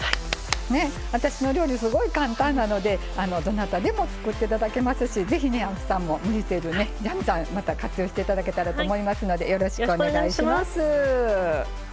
私の料理、すごい簡単なのでどなたでも作っていただけますしぜひ、青木さんも無理せず活用していただけたらと思いますのでよろしくお願いします。